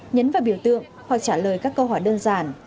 nhấn vào biểu tượng hoặc trả lời các câu hỏi đơn giản